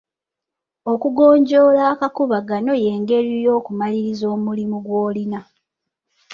Okugonjoola akakuubagano y'engeri y'okumaliriza omulimu gw'olina.